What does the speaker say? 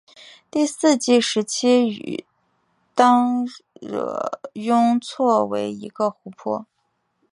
第四纪时期与当惹雍错为一个湖泊。